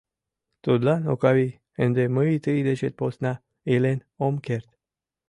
— Тудлан, Окавий: ынде мый тый дечет посна илен ом керт.